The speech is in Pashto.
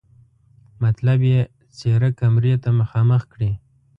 مطلب یې څېره کمرې ته مخامخ کړي.